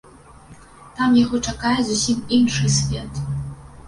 Там яго чакае зусім іншы свет.